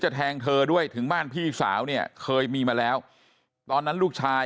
แทงเธอด้วยถึงบ้านพี่สาวเนี่ยเคยมีมาแล้วตอนนั้นลูกชาย